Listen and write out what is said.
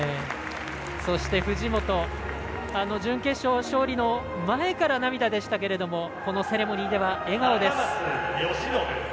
そして藤本準決勝は勝利の前から涙でしたけれどもこのセレモニーでは笑顔です。